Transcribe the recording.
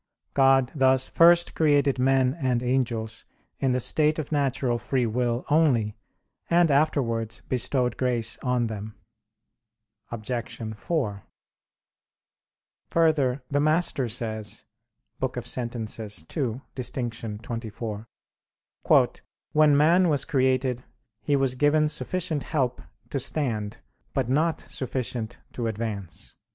God thus first created men and angels in the state of natural free will only; and afterwards bestowed grace on them. Obj. 4: Further, the Master says (Sent. ii, D, xxiv): "When man was created he was given sufficient help to stand, but not sufficient to advance."